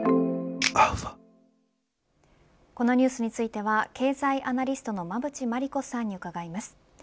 このニュースについては経済アナリストの馬渕磨理子さんに伺います。